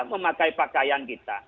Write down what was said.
memakai pakaian kita